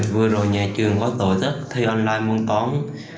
vừa rồi nhà trường có tổ chức thi online môn toán